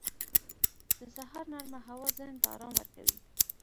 • د سهار نرمه هوا ذهن ته آرام ورکوي.